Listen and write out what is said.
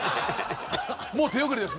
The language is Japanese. もう手遅れです。